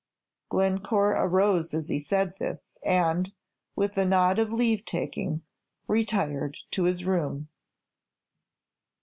Glencore arose as he said this, and, with a nod of leave taking, retired to his room.